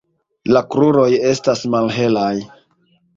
La kruroj estas malhelaj.